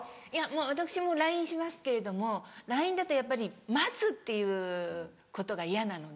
私もＬＩＮＥしますけれどもＬＩＮＥだとやっぱり待つっていうことが嫌なので。